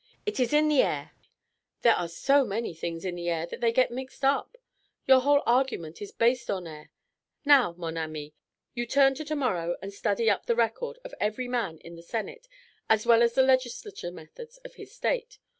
It is in the air " "There are so many things in the air that they get mixed up. Your whole argument is based on air. Now, mon ami, you turn to to morrow and study up the record of every man in that Senate, as well as the legislative methods of his State.